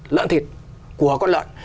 lợn thịt của con lợn